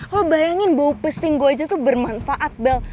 lo bayangin bau pesing gue aja tuh bermanfaat bel